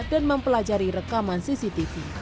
dan mempelajari rekaman cctv